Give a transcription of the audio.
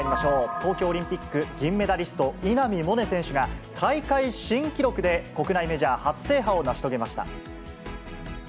東京オリンピック銀メダリスト、稲見萌寧選手が、大会新記録で、国内メジャー初制覇を成し遂げました。